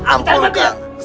aku tidak mau makan